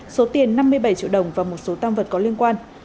số tiền năm mươi bảy triệu đồng và một số tăng vật có liên quan